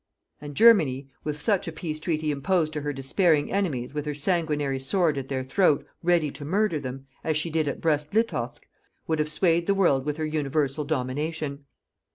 And Germany, with such a peace treaty imposed to her despairing enemies with her sanguinary sword at their throat ready to murder them as she did at Brest Litovsk would have swayed the world with her UNIVERSAL DOMINATION.